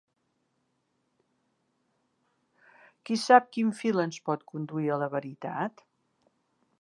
Qui sap quin fil ens pot conduir a la veritat?